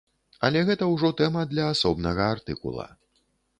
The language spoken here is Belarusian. Але гэта ўжо тэма для асобнага артыкула.